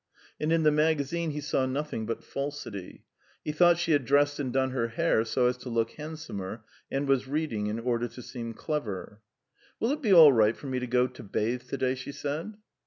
And in the magazine he saw nothing but falsity. He thought she had dressed and done her hair so as to look handsomer, and was reading in order to seem clever. "Will it be all right for me to go to bathe to day?" she said.